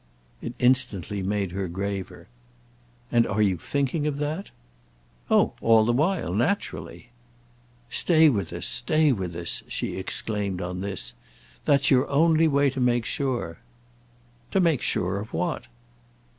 It instantly made her graver. "And are you thinking of that?" "Oh all the while, naturally." "Stay with us—stay with us!" she exclaimed on this. "That's your only way to make sure." "To make sure of what?"